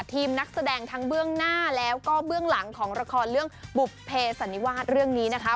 นักแสดงทั้งเบื้องหน้าแล้วก็เบื้องหลังของละครเรื่องบุภเพสันนิวาสเรื่องนี้นะคะ